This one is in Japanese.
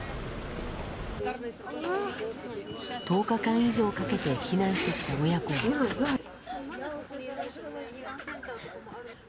１０日間以上かけて避難してきた親子は。